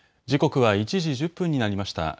時刻は１時１０分になりました。